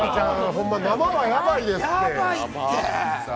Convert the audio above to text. ほんま生はヤバイですって。